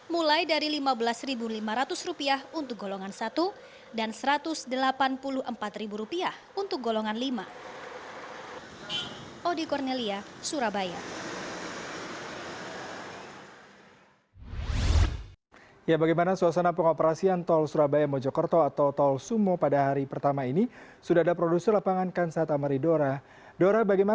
mulai dari rp lima belas lima ratus untuk golongan satu dan rp satu ratus delapan puluh empat untuk golongan lima